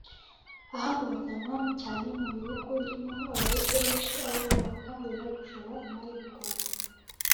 Aha ngo bajyanwa cyane mu bihugu birimo abaherwe benshi aho babakangurirwa gushora imari mu Rwanda